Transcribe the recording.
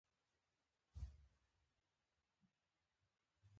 د شوروي پراخېدونکی اقتصاد به ډېر ژر نړۍ ونیسي.